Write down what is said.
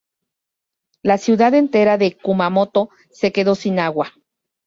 La ciudad entera de Kumamoto se quedó sin agua.